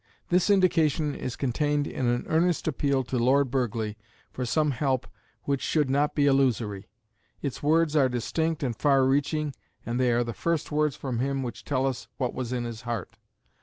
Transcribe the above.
This indication is contained in an earnest appeal to Lord Burghley for some help which should not be illusory. Its words are distinct and far reaching, and they are the first words from him which tell us what was in his heart.